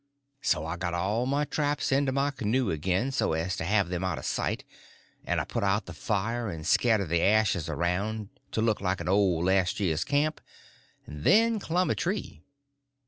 So I got all my traps into my canoe again so as to have them out of sight, and I put out the fire and scattered the ashes around to look like an old last year's camp, and then clumb a tree.